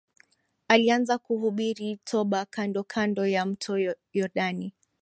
Alianza kuhubiri toba kandokando ya mto Yordani